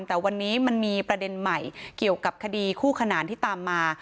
แต่วันนี้มันมีประเด็นใหม่เกี่ยวกับคดีคู่ขนานที่ตามมา